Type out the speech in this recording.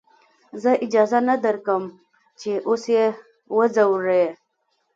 زه اجازه نه درکم چې اوس يې وځورې.